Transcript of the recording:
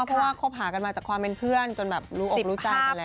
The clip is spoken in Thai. เพราะว่าคบหากันมาจากความเป็นเพื่อนจนแบบรู้อกรู้ใจกันแล้ว